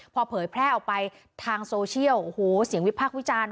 พอเผยแพร่ออกไปทางโซเชียลโอ้โหเสียงวิพากษ์วิจารณ์